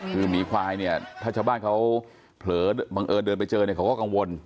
คือหมีควายเนี่ยถ้าชาวบ้านเขาเผลอบังเอิญเดินไปเจอเนี่ยเขาก็กังวล